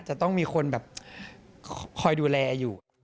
จะต้องมีคนแบบคอยดูแลอยู่